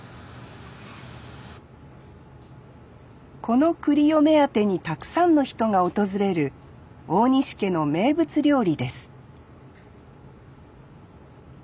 このくりを目当てにたくさんの人が訪れる大西家の名物料理です